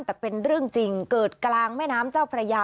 แต่เป็นเรื่องจริงเกิดกลางแม่น้ำเจ้าพระยา